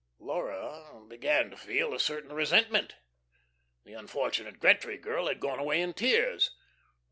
Laura began to feel a certain resentment. The unfortunate Gretry girl had gone away in tears.